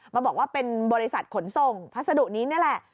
มาบอกว่าเป็นบริษัทขนส่งพัสดุนี้นี่แหละ